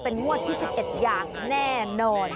เป็นมวดที่๑๑อย่างแน่นอน